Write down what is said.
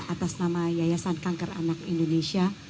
atas nama yayasan kanker anak indonesia